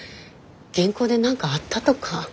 銀行で何かあったとか。